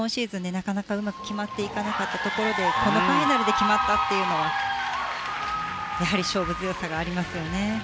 なかなかうまく決まっていなかったところでこのファイナルで決まったのはやはり勝負強さがありますね。